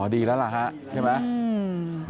อ๋อดีแล้วเหรอครับใช่ไหม